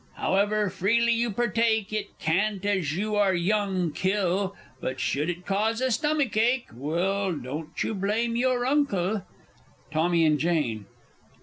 However freely you partake, It can't as you are young kill, But should it cause a stomach ache Well, don't you blame your Uncle! _Tommy and Jane.